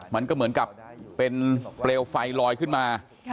มันก็เหมือนกับเป็นเปลวไฟลอยขึ้นมา